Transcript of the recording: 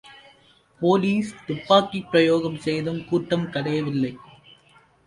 Police துப்பாக்கிப் பிரயோகம் செய்தும் கூட்டம் கலையவில்லை.